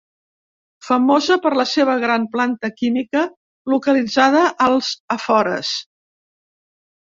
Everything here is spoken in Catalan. Famosa per la seva gran planta química, localitzada als afores.